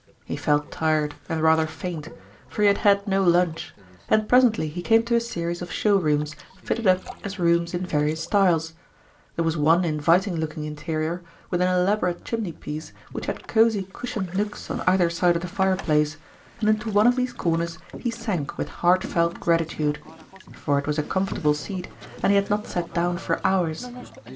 He felt tired and rather faint, for he had had no lunch ; and presently he came to a series of show rooms fitted up as rooms in various styles : there was one inviting looking interior, with an elaborate chimneypiece which had cosy cushioned nooks on either side of the fireplace, and into one of these corners he sank with heartfelt gratitude; for it was a comfortable seat, and he had not sat down for hours.